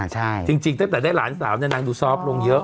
ใช่จริงตั้งแต่ได้หลานสาวเนี่ยนางดูซอฟต์ลงเยอะ